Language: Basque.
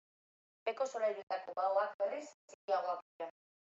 Beheko solairuetako baoak, berriz, txikiagoak dira.